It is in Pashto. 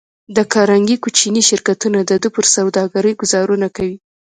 د کارنګي کوچني شرکتونه د ده پر سوداګرۍ ګوزارونه کوي